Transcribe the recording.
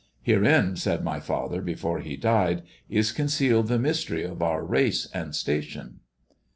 Herein, said my father before he died, is concealed the mystery of our race and station."